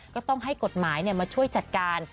ก็ต้องให้กฎหมายมาช่วยจัดการ